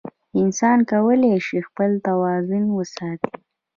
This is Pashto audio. انسان کولی شي خپل توازن وساتي.